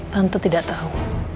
tante tidak tahu